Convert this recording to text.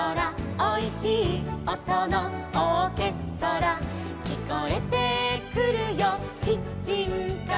「おいしいおとのオーケストラ」「きこえてくるよキッチンから」